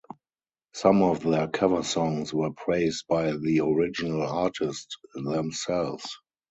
Some of their cover songs were praised by the original artists themselves.